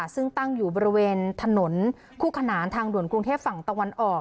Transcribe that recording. ซึ่งตั้งอยู่บริเวณถนนคู่ขนานทางด่วนกรุงเทพฝั่งตะวันออก